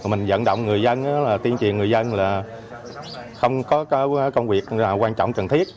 mình dẫn động người dân tiên triền người dân là không có công việc quan trọng cần thiết